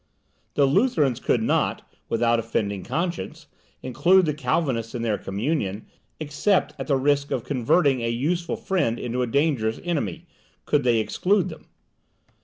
The Lutherans could not, without offending conscience, include the Calvinists in their communion, except at the risk of converting a useful friend into a dangerous enemy, could they exclude them.